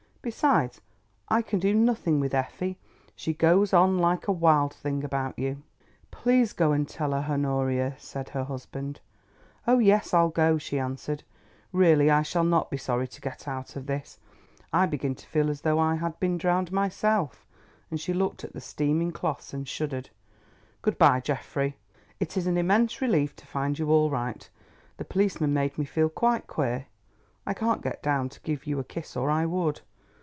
"Besides, I can do nothing with Effie. She goes on like a wild thing about you." "Please go and tell her, Honoria," said her husband. "Oh, yes, I'll go," she answered. "Really I shall not be sorry to get out of this; I begin to feel as though I had been drowned myself;" and she looked at the steaming cloths and shuddered. "Good bye, Geoffrey. It is an immense relief to find you all right. The policeman made me feel quite queer. I can't get down to give you a kiss or I would.